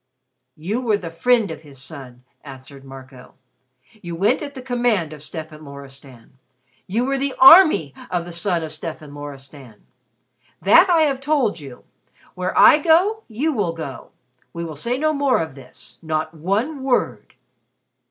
"You were the friend of his son," answered Marco. "You went at the command of Stefan Loristan. You were the army of the son of Stefan Loristan. That I have told you. Where I go, you will go. We will say no more of this not one word."